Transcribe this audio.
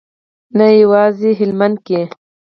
نه یوازې هلمند کې.